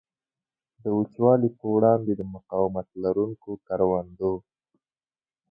د وچوالي په وړاندې د مقاومت لرونکو کروندو.